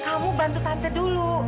kamu bantu tante dulu